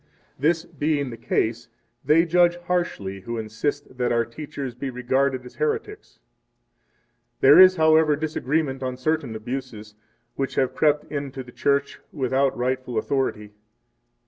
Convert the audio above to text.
This being the case, they judge harshly who insist that our teachers be regarded as heretics. 6 There is, however, disagreement on certain abuses, which have crept into the Church without rightful authority.